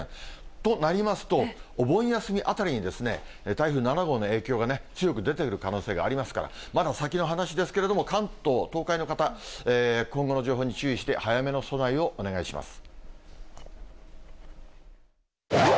となりますと、お盆休みあたりに台風７号の影響がね、強く出ている可能性がありますから、まだ先の話ですけれども、関東、東海の方、今後の情報に注意して、早めの備えをお願いします。